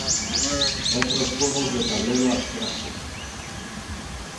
Otros juegos de tablero abstractos